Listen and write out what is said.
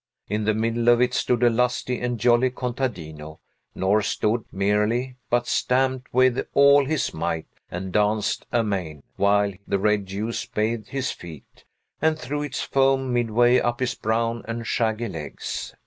In the middle of it stood a lusty and jolly contadino, nor stood, merely, but stamped with all his might, and danced amain; while the red juice bathed his feet, and threw its foam midway up his brown and shaggy legs.